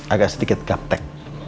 agak sedikit gaptek